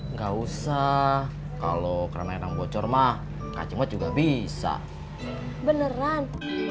nggak usah kalau keran airnya bocor mah kacimot juga bisa beneran